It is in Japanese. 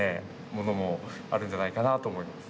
ものもあるんじゃないかなと思います。